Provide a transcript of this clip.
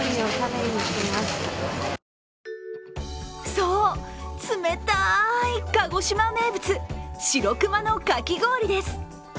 そう、冷たい鹿児島名物、白熊のかき氷です。